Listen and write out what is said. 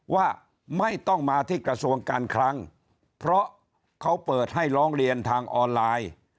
ว่าไม่ต้องมาที่กระทรวงการคลังเพราะเขาเปิดให้ร้องเรียนทางออนไลน์